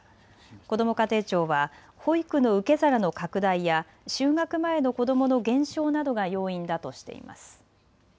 こども家庭庁は保育の受け皿の拡大や就学前の子どもの減少などが要因だとしています。